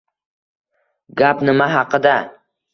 Gap nima haqida?